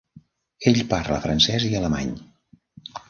Ell parla francès i alemany.